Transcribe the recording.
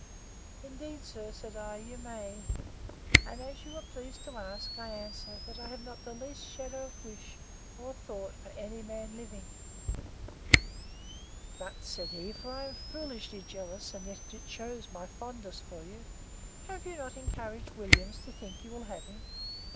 Indeed, sir, said I, you may; and, as you was pleased to ask, I answer, that I have not the least shadow of a wish, or thought, for any man living. But, said he, (for I am foolishly jealous, and yet it shews my fondness for you,) have you not encouraged Williams to think you will have him?